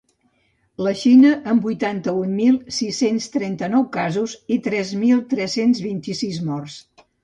La Xina, amb vuitanta-un mil sis-cents trenta-nou casos i tres mil tres-cents vint-i-sis morts.